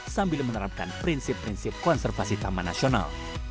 sambil menerapkan prinsip prinsip konservasi taman nasional